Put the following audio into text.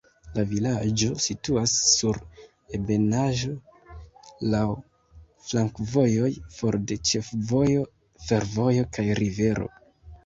La vilaĝo situas sur ebenaĵo, laŭ flankovojoj, for de ĉefvojo, fervojo kaj rivero.